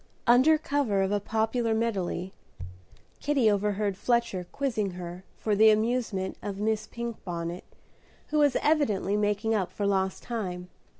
Under cover of a popular medley, Kitty overheard Fletcher quizzing her for the amusement of Miss Pinkbonnet, who was evidently making up for lost time.